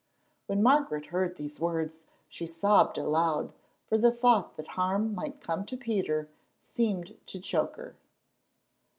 When Margaret heard these words she sobbed aloud, for the thought that harm might come to Peter seemed to choke her.